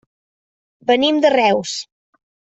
Venim de Reus.